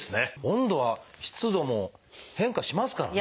温度は湿度も変化しますからね。